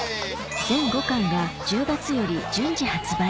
全５巻が１０月より順次発売